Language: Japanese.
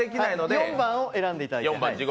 ４番を選んでいただきます。